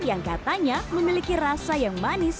yang katanya memiliki rasa yang manis